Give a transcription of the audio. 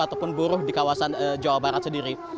ataupun buruh di kawasan jawa barat sendiri